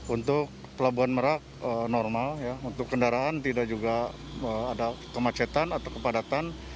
untuk pelabuhan merak normal untuk kendaraan tidak juga ada kemacetan atau kepadatan